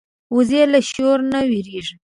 وزې له شور نه وېرېږي